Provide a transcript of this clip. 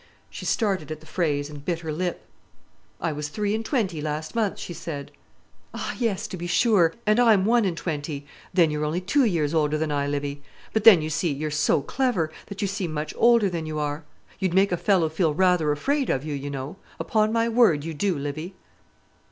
She started at the phrase, and bit her lip. "I was three and twenty last month," she said. "Ah, yes; to be sure. And I'm one and twenty. Then you're only two years older than I, Livy. But, then, you see, you're so clever, that you seem much older than you are. You'd make a fellow feel rather afraid of you, you know. Upon my word you do, Livy."